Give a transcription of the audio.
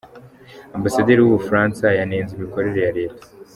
Ambasederi w'u Bufaransa yanenze imikorera ya leta.